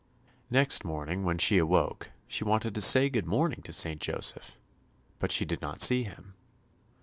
Next morning when she awoke, she wanted to say good morning to St. Joseph, but she did not see him.